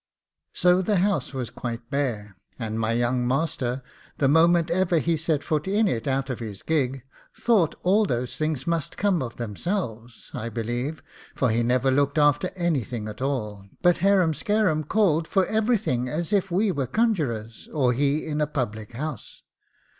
So the house was quite bare, and my young master, the moment ever he set foot in it out of his gig, thought all those things must come of themselves, I believe, for he never looked after anything at all, but harum scarum called for everything as if we were conjurors, or he in a public house.